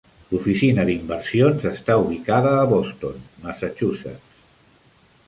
L'Oficina d'Inversions està ubicada a Boston, Massachusetts.